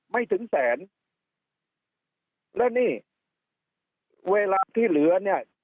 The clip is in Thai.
ไม่ถึงแสนแล้วนี่เวลาที่เหลือเนี่ย